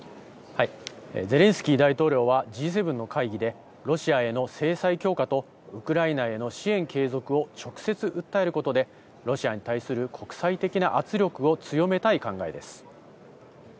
ゼレンスキー大統領は、Ｇ７の会議でロシアへの制裁強化とウクライナへの支援継続を直接訴えることで、ロシアに対する国際的な圧力を強めたい考えです。